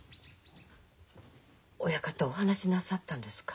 親方お話しなさったんですか？